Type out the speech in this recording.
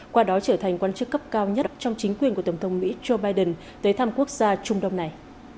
qua đó trở thành quan chức cấp cao nhất trong chính quyền của tổng thống mỹ joe biden tới thăm quốc gia trung đông này